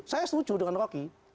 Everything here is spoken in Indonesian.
saya setuju dengan rocky